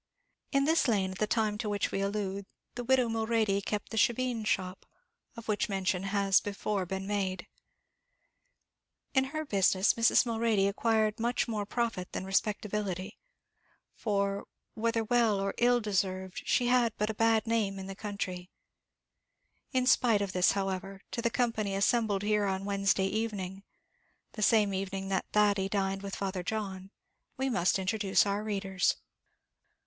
In this lane at the time to which we allude the widow Mulready kept the shebeen shop, of which mention has before been made. In her business Mrs. Mulready acquired much more profit than respectability, for, whether well or ill deserved, she had but a bad name in the country; in spite of this, however, to the company assembled here on Wednesday evening, the same evening that Thady dined with Father John, we must introduce our readers.